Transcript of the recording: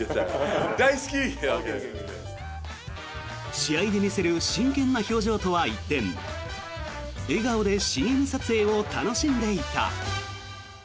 試合で見せる真剣な表情とは一転笑顔でＣＭ撮影を楽しんでいた。